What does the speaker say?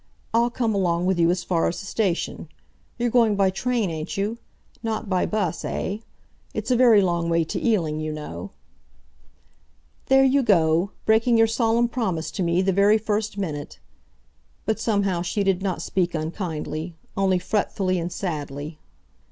I'll come along with you as far as the station. You're going by train, ain't you? Not by bus, eh? It's a very long way to Ealing, you know." "There you go! Breaking your solemn promise to me the very first minute!" But somehow she did not speak unkindly, only fretfully and sadly.